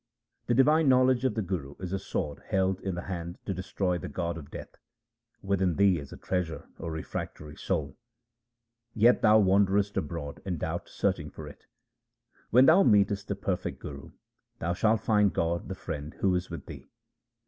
The divine knowledge of the Guru is a sword held in the hand to destroy the god of death. Within thee is the treasure, O refractory soul, yet thou wanderest abroad in doubt searching for it. When thou meetest the perfect Guru, thou shalt find God the Friend who is with thee.